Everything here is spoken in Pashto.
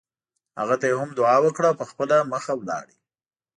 هغه ته یې هم دعا وکړه او په خپله مخه لاړ.